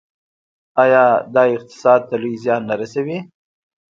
آیا دا اقتصاد ته لوی زیان نه رسوي؟